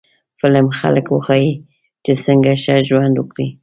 فلم خلک وښيي چې څنګه ښه ژوند وکړي